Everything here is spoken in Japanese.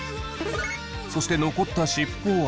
そして残った尻尾は。